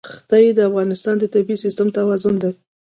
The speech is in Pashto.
ښتې د افغانستان د طبعي سیسټم توازن ساتي.